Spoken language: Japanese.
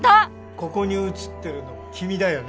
ここに写ってるの君だよね？